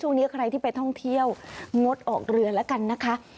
ช่วงนี้ใครที่ไปท่องเที่ยวงดออกเรือแล้วกันนะคะ